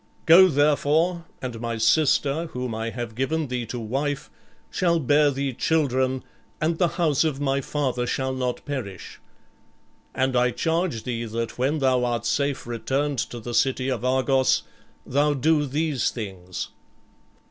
Go, therefore, and my sister, whom I have given thee to wife, shall bear thee children, and the house of my father shall not perish. And I charge thee that when thou art safe returned to the city of Argos, thou do these things.